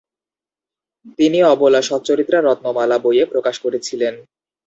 তিনি অবলা সচ্চরিত্রা রত্নমালা বইয়ে প্রকাশ করেছিলেন।